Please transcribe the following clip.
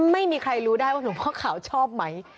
ไม่มีใครรู้ได้ว่าหลวงพ่อขาวชอบไหม